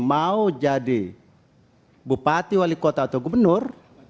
mau jadi bupati wali kota atau gubernur